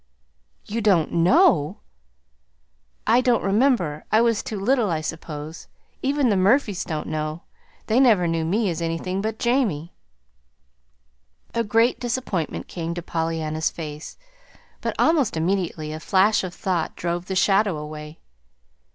"YOU DON'T KNOW!" "I don't remember. I was too little, I suppose. Even the Murphys don't know. They never knew me as anything but Jamie." A great disappointment came to Pollyanna's face, but almost immediately a flash of thought drove the shadow away.